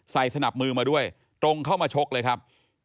สนับมือมาด้วยตรงเข้ามาชกเลยครับ